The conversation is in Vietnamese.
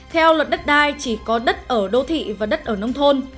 theo luật đất đai chỉ có đất ở đô thị và đất ở nông thôn